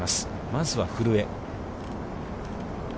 まずは、古江。